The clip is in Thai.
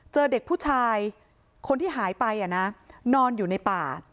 เด็กผู้ชายคนที่หายไปนอนอยู่ในป่า